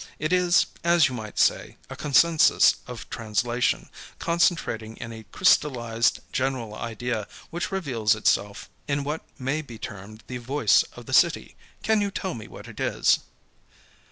It is, as you might say, a consensus of translation, concentrating in a crystallized, general idea which reveals itself in what may be termed the Voice of the City. Can you tell me what it is?"